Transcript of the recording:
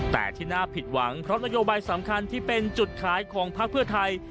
แต่ที่น่าผิดหวังเพราะนโยบายสำคัญที่เป็นจุดขายของพักเพื่อไทย